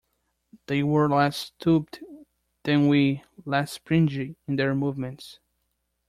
They were less stooped than we, less springy in their movements.